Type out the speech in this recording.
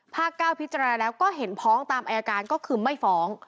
๙พิจารณาแล้วก็เห็นพ้องตามอายการก็คือไม่ฟ้อง